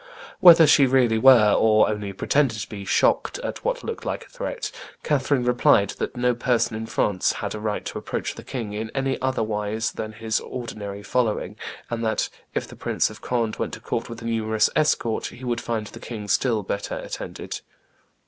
Whether she really were, or only pretended to be, shocked at what looked like a threat, Catherine replied that no person in France had a right to approach the king in any other wise than with his ordinary following, and that, if the Prince of Conde went to court with a numerous escort, he would find the king still better attended.